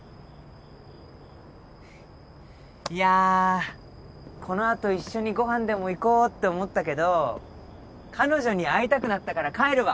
いやこの後一緒にご飯でも行こうって思ったけど彼女に会いたくなったから帰るわ。